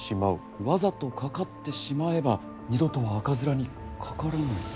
わざとかかってしまえば二度とは赤面にかからぬ。